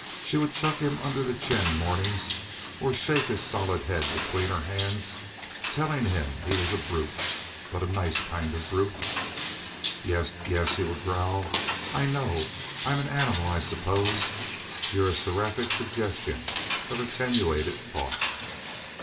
She would chuck him under the chin mornings, or shake his solid head between her hands, telling him he was a brute, but a nice kind of a brute. "Yes, yes," he would growl. "I know. I'm an animal, I suppose. You're a seraphic suggestion of attenuated thought."